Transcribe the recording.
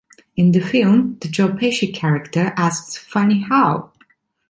In the film, the Joe Pesci character asks Funny how?